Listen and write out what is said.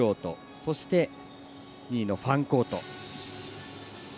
そして２位のファンコート。